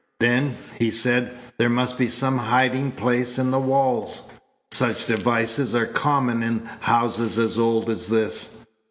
"Then," he said, "there must be some hiding place in the walls. Such devices are common in houses as old as this."